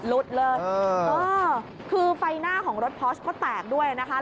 หลุดเลยเออคือไฟหน้าของรถพอร์ชก็แตกด้วยนะคะ